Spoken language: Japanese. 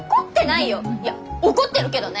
いや怒ってるけどね！